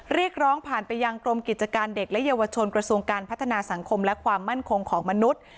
เรียกร้องผ่านไปยังกรมกิจการเด็กและเยาวชนกระทรวงการพัฒนาสังคมและความมั่นคงของมนุษย์